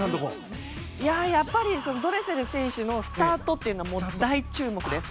やっぱりドレセル選手のスタートというのは大注目です。